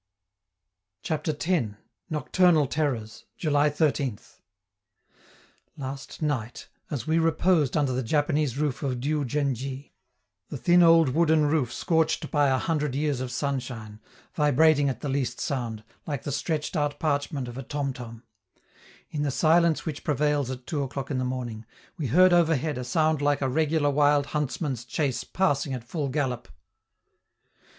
CHAPTER X. NOCTURNAL TERRORS July 13th. Last night, as we reposed under the Japanese roof of Diou djen dji the thin old wooden roof scorched by a hundred years of sunshine, vibrating at the least sound, like the stretched out parchment of a tomtom in the silence which prevails at two o'clock in the morning, we heard overhead a sound like a regular wild huntsman's chase passing at full gallop.